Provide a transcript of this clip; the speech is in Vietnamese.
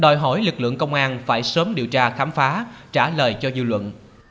đòi hỏi lực lượng công an phải sớm điều tra khám phá trả lời cho dư luận